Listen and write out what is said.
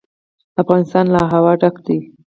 افغانستان له هوا ډک دی.